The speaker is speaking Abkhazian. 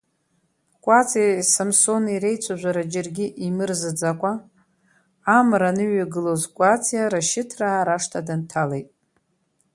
Кәаҵиеи Самсони реицәажәара џьаргьы имырзаӡакәа, амра аныҩагылоз Кәаҵиа Рашьыҭраа рашҭа дынҭалеит.